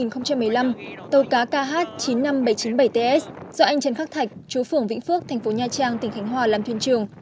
năm hai nghìn một mươi năm tàu cá kh chín mươi năm nghìn bảy trăm chín mươi bảy ts do anh trần khắc thạch chú phưởng vĩnh phước thành phố nha trang tỉnh khánh hòa làm thuyền trường